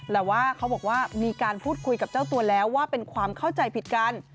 แต่ว่าเขาบอกว่ามีการพูดคุยกับเจ้าตัวแล้วว่าเป็นความเข้าใจผิดกัน